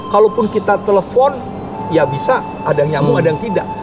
kalaupun kita telepon ya bisa ada yang nyamung ada yang tidak